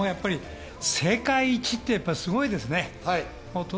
世界一って、すごいですね。